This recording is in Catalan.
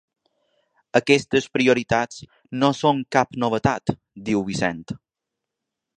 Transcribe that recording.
Aquestes prioritats no són cap novetat –diu Vicent–.